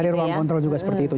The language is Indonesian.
ada ruang kontrol juga seperti itu